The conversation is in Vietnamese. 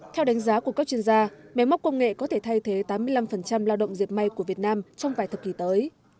theo đánh giá của các chuyên gia máy móc công nghệ có thể thay thế tám mươi năm lao động diệt mây của việt nam trong vài thập kỷ tới